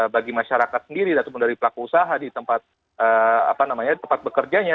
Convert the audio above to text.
bagi masyarakat sendiri ataupun dari pelaku usaha di tempat bekerjanya